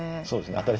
そうですね。